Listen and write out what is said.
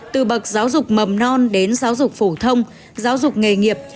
từ bậc giáo dục mầm non đến giáo dục phổ thông giáo dục nghề nghiệp